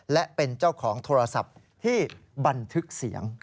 และเป็นเจ้าของโทรศัพท์ที่บันทึกเสียง